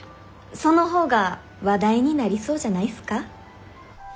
そのほうが話題になりそうじゃないっすか？